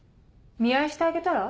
見合いしてあげたら？